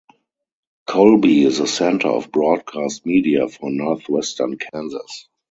Colby is a center of broadcast media for northwestern Kansas.